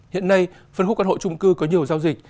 hiện nay phân khúc căn hộ trung cư có nhiều giao dịch